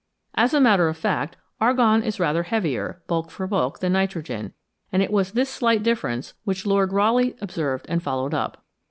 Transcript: As a matter of fact, argon is rather heavier, bulk for bulk, than nitrogen, and it was this slight difference which Lord Rayleigh observed and followed up.